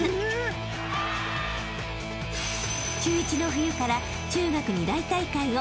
［中１の冬から中学２大大会を］